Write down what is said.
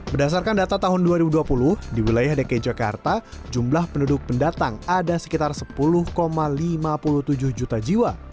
berdasarkan data tahun dua ribu dua puluh di wilayah dki jakarta jumlah penduduk pendatang ada sekitar sepuluh lima puluh tujuh juta jiwa